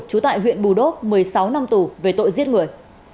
trú tại huyện bù đốp một mươi sáu năm tù về tội giết người